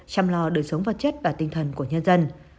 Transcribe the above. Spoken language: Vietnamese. chăm lo đời sống vật chất và tinh thần của nhân dân